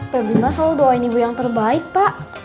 pebi mah selalu doain ibu yang terbaik pak